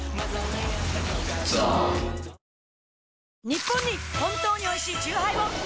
ニッポンに本当においしいチューハイを！